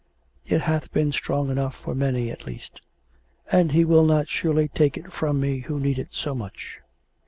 It hath been strong enough for many, at least; and He will not surely take it from me who need it so much.